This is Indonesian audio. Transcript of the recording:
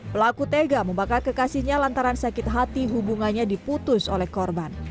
pelaku tega membakar kekasihnya lantaran sakit hati hubungannya diputus oleh korban